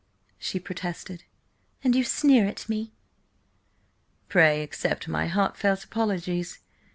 she protested. "And you sneer at me." "Pray, accept my heartfelt apologies!